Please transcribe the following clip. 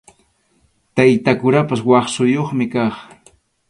Tayta kurapas aqsuyuqmi kaq.